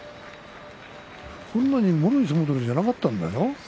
こんなもろい相撲取りじゃなかったんだよ。